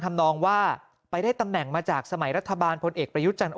ทำนองว่าไปได้ตำแหน่งมาจากสมัยรัฐบาลพลเอกประยุทธ์จันทร์